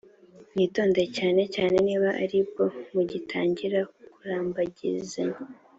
mwitonde cyane cyane niba ari bwo mugitangira kurambagizanya